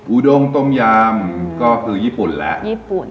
อูดงต้มยำก็คือญี่ปุ่นแหละ